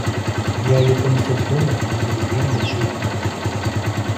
Я ее поместил в доме... там были две небольшие комнатки.